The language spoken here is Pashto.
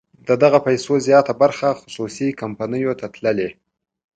د دغه پیسو زیاته برخه خصوصي کمپنیو ته تللې.